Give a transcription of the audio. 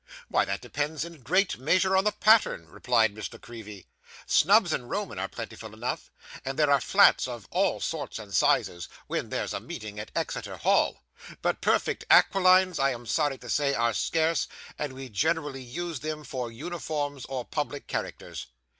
'Why, that depends in a great measure on the pattern,' replied Miss La Creevy. 'Snubs and Romans are plentiful enough, and there are flats of all sorts and sizes when there's a meeting at Exeter Hall; but perfect aquilines, I am sorry to say, are scarce, and we generally use them for uniforms or public characters.